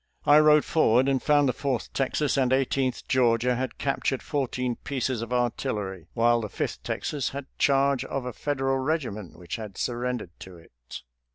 I rode forward and found the Fourth Texas and Eighteenth Georgia had captured fourteen pieces of artillery, while the Fifth Texas had charge of a Federal regiment which had surrendered to it."